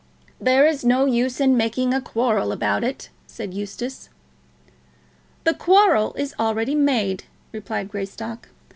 "There is no use in making a quarrel about it," said Eustace. "The quarrel is already made," replied Greystock.